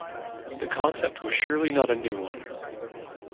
The concept was surely not a new one.